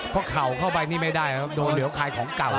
เพราะเข่าเข้าไปนี่ไม่ได้เดี๋ยวขายของเก่านะ